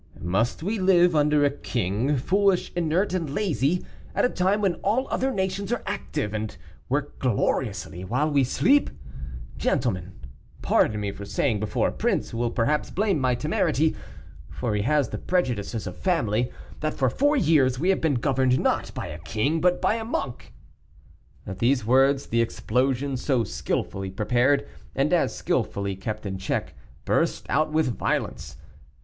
"Must we live under a king, foolish, inert, and lazy, at a time when all other nations are active, and work gloriously, while we sleep? Gentlemen, pardon me for saying before a prince, who will perhaps blame my temerity (for he has the prejudices of family), that for four years we have been governed, not by a king, but by a monk." At these words the explosion so skilfully prepared and as skilfully kept in check, burst out with violence.